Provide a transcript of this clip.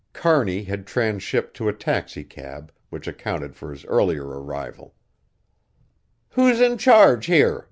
Kearney had transshipped to a taxicab, which accounted for his earlier arrival. "Who's in charge here?"